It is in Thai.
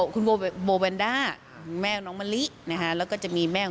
คุณโบแบนด้า